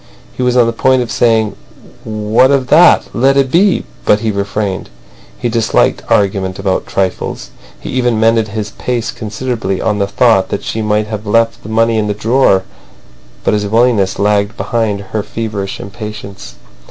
He was on the point of saying "What of that? Let it be," but he refrained. He disliked argument about trifles. He even mended his pace considerably on the thought that she might have left the money in the drawer. But his willingness lagged behind her feverish impatience.